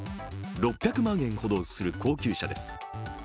６００万円ほどする高級車です。